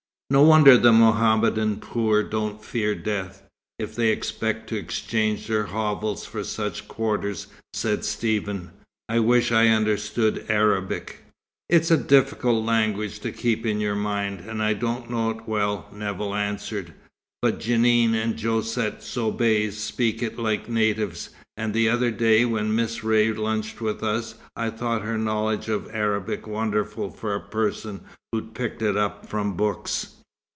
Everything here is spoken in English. "No wonder the Mohammedan poor don't fear death, if they expect to exchange their hovels for such quarters," said Stephen. "I wish I understood Arabic." "It's a difficult language to keep in your mind, and I don't know it well," Nevill answered. "But Jeanne and Josette Soubise speak it like natives; and the other day when Miss Ray lunched with us, I thought her knowledge of Arabic wonderful for a person who'd picked it up from books."